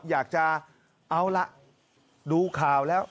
อยากจะเอาล่ะดูข่าวแล้ว